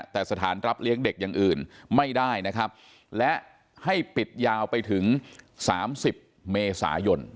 แต่สถานรับเลี้ยงเด็กอย่างอื่นไม่ได้นะครับและให้ปิดยาวไปถึง๓๐เมษายน